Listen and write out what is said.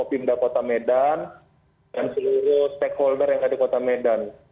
pimda kota medan dan seluruh stakeholder yang ada di kota medan